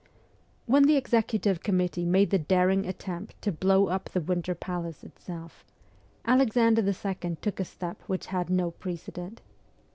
When the Executive Committee made the daring attempt to blow up the Winter Palace itself, Alexander II. took a step which had no precedent.